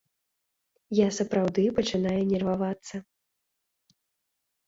Я сапраўды пачынаю нервавацца.